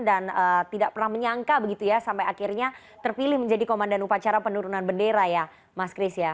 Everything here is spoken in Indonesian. dan tidak pernah menyangka begitu ya sampai akhirnya terpilih menjadi komandan upacara penurunan bendera ya mas kris ya